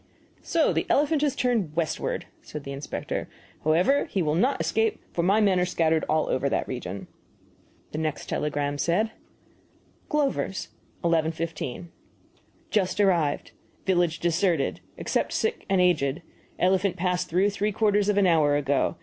"So the elephant has turned westward," said the inspector. "However, he will not escape, for my men are scattered all over that region." The next telegram said: GLOVER'S, 11.15 Just arrived. Village deserted, except sick and aged. Elephant passed through three quarters of an hour ago.